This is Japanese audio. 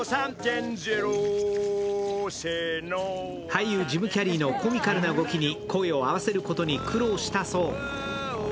俳優、ジム・キャリーのコミカルな動きに声を合わせることに苦労したそう。